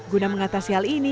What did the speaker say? guna mengatasi hal ini